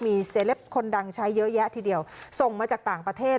มีเซลปคนดังใช้เยอะแยะทีเดียวส่งมาจากต่างประเทศ